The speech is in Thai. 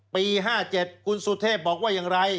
ปี๕๗คุณสุเทพบอกว่าอย่างไร